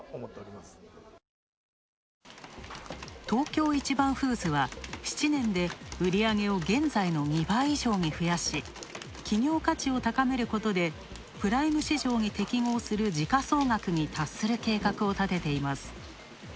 東京一番フーズは、７年で売り上げを現在の２倍以上に増やし、企業価値を高めることでプライム市場に適合する時価総額に達する計画を立てています。